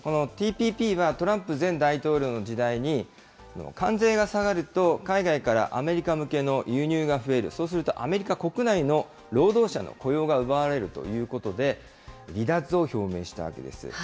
このＴＰＰは、トランプ前大統領の時代に、関税が下がると、海外からアメリカ向けの輸入が増える、そうするとアメリカ国内の労働者の雇用が奪われるということで、離脱を表明したわけです。